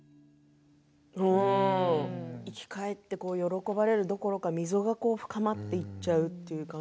生き返って喜ばれるどころか溝が深まっていっちゃう。